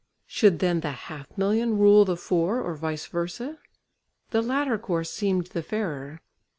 Should then the half million rule the four or vice versa? The latter course seemed the fairer.